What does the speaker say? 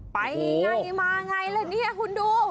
ไปไงมาไงแล้วเนี่ยคุณดู